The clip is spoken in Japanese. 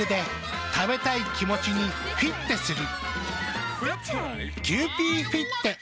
食べたい気持ちにフィッテする。